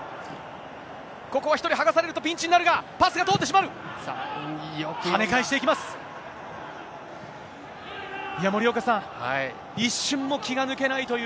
ここは１人剥がされると、ピンチになるが、パスが通ってしまう。